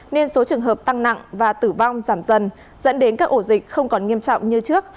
nên số trường hợp tăng nặng và tử vong giảm dần dẫn đến các ổ dịch không còn nghiêm trọng như trước